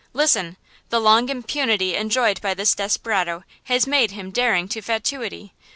Listen! The long impunity enjoyed by this desperado has made him daring to fatuity.